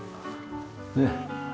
ねえ。